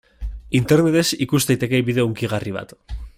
Internetez ikus daiteke bideo hunkigarri bat.